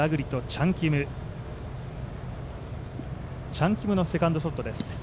チャン・キムのセカンドショットです。